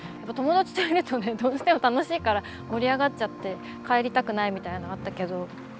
友達といるとねどうしても楽しいから盛り上がっちゃって帰りたくないみたいなのあったけど。